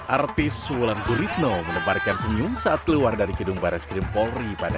artis wulan kuritno mengembarikan senyum saat keluar dari gedung bares krim polri pada